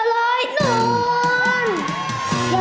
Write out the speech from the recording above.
ขอบคุณมากมากนะคะ